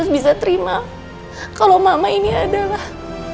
aku tak bisa terima kalau mama ini adalah